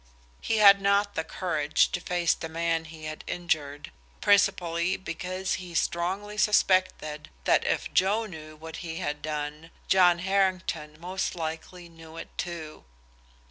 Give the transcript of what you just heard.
He had not the courage to face the man he had injured, principally because he strongly suspected that if Joe knew what he had done, John Harrington most likely knew it too.